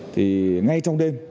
thì ngay trong đêm